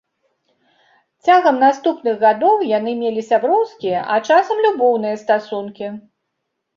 Цягам наступных гадоў яны мелі сяброўскія, а часам любоўныя стасункі.